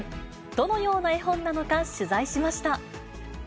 どのような絵本なのか、取材しました。